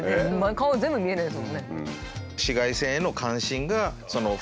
顔全部見えないですもんね。